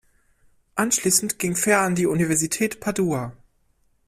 Anschließend ging Fehr an die Universität Padua.